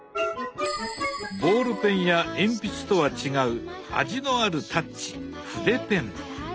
ボールペンや鉛筆とは違う味のあるタッチ筆ペン。